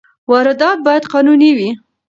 واردات باید قانوني وي.